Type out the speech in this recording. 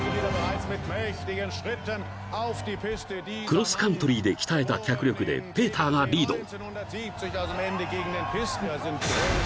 ［クロスカントリーで鍛えた脚力でペーターがリード］